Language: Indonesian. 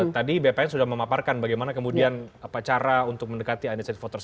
tadi bpn sudah memaparkan bagaimana kemudian cara untuk mendekati undecided voters